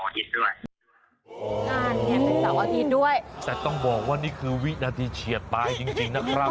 ก็คาดว่าวันนี้คือวินาทีเฉียบไปจริงนะครับ